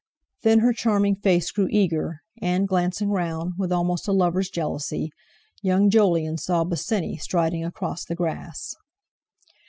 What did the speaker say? Then her charming face grew eager, and, glancing round, with almost a lover's jealousy, young Jolyon saw Bosinney striding across the grass.